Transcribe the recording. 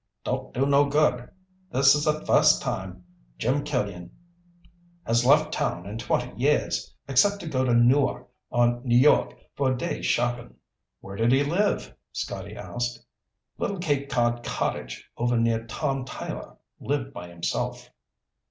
"Don't do no good. This is the first time Jim Killian has left town in twenty years, except to go into Newark or New York for a day's shopping." "Where did he live?" Scotty asked. "Little Cape Cod cottage over near Tom Tyler. Lived by himself."